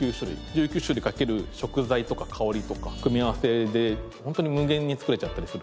１９種類掛ける食材とか香りとか組み合わせで本当に無限に作れちゃったりするので。